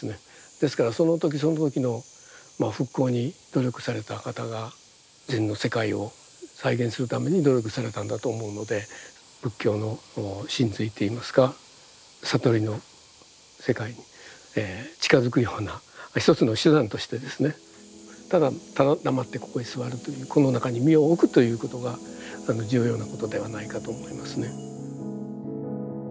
ですからその時その時の復興に努力された方が禅の世界を再現するために努力されたんだと思うので仏教の神髄っていいますか悟りの世界に近づくような一つの手段としてですねただただ黙ってここへ座るというこの中に身を置くということが重要なことではないかと思いますね。